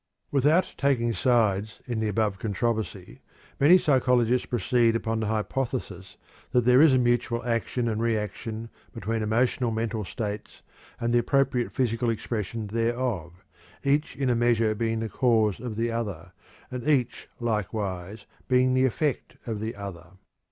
Without taking sides in the above controversy, many psychologists proceed upon the hypothesis that there is a mutual action and reaction between emotional mental states and the appropriate physical expression thereof, each in a measure being the cause of the other, and each likewise being the effect of the other.